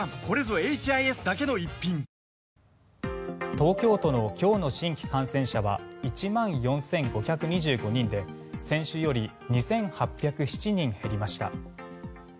東京都の今日の新規感染者は１万４５２５人で先週より２８０７人減りました。